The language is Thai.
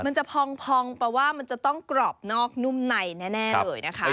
มันจะพองแปลว่ามันจะต้องกรอบนอกนุ่มในแน่เลยนะคะ